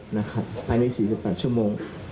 ภายใน๔๘ชั่วโมง